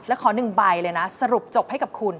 แล้วขอ๑ใบเลยนะสรุปจบให้กับคุณ